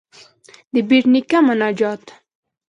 ددبېټ نيکه مناجات.